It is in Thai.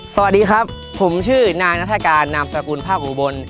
สวัสดีครับผมชื่อนายนัฐกาลนามสกุลภาคอุบล